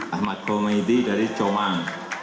ahmad khomeidi dari comang